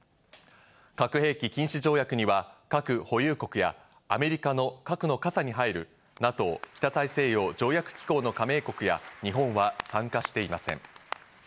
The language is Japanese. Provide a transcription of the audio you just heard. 核兵器禁止条約には核保有国やアメリカの核の傘に入るＮＡＴＯ＝北大西洋条約機構の加盟国や日本は参加していません。